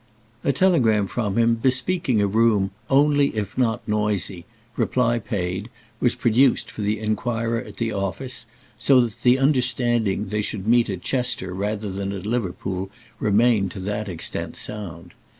A telegram from him bespeaking a room "only if not noisy," reply paid, was produced for the enquirer at the office, so that the understanding they should meet at Chester rather than at Liverpool remained to that extent sound.